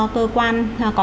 cơ quan có